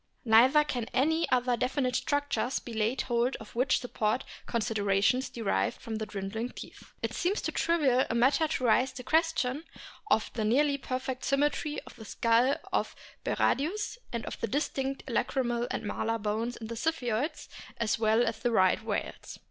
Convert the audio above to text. Neither can any other definite structures be laid hold of which support considerations derived from the dwindling teeth. It seems too trivial a matter to raise the question of the nearly perfect symmetry of the skull of Berardius, and of the distinct lacrymal and malar bones in the Ziphioids as well as in the Right whales.